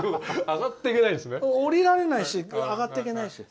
下りられないし上がっていけないし。